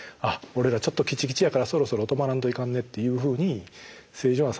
俺らちょっときちきちやからそろそろ止まらんといかんねっていうふうに正常な細胞は止まる。